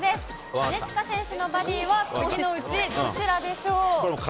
金近選手のバディは次のうちどちらでしょう？